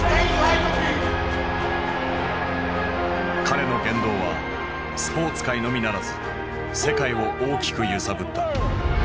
彼の言動はスポーツ界のみならず世界を大きく揺さぶった。